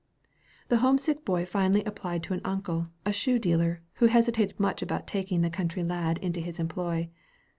The homesick boy finally applied to an uncle, a shoe dealer, who hesitated much about taking the country lad into his employ.